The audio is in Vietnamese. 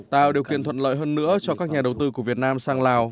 tạo điều kiện thuận lợi hơn nữa cho các nhà đầu tư của việt nam sang lào